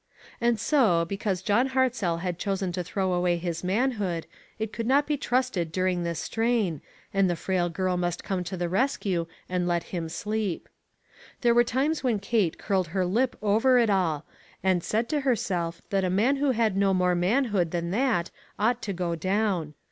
And so, because John Hartzell had chosen to throw away his manhood, it could not be trusted during this strain, and the frail girl must come to the rescue and let him sleep. There were times when Kate curled her lip over it all, and said to herself that a man who had no more manhood than that, ought to go down.